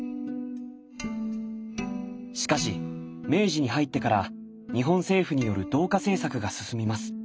しかし明治に入ってから日本政府による同化政策が進みます。